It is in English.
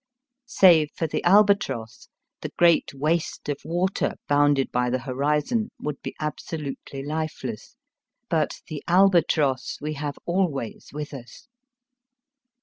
Save for the albatross the great waste of water bounded by the horizon would be abso lutely lifeless. But the albatross we have always with us.